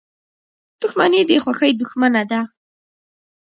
• دښمني د خوښۍ دښمنه ده.